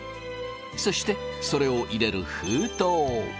そしてそれを入れる封筒。